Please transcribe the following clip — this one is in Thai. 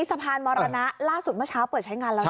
สะพานมรณะล่าสุดเมื่อเช้าเปิดใช้งานแล้วนะ